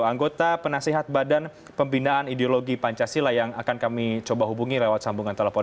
anggota penasihat badan pembinaan ideologi pancasila yang akan kami coba hubungi lewat sambungan telepon